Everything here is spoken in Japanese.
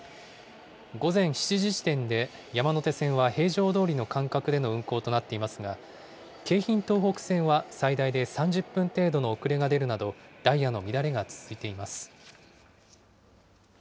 午前７時時点で、山手線は平常どおりの間隔での運行となっていますが、京浜東北線は最大で３０分程度の遅れが出るなど、ダイヤの乱れが続いています。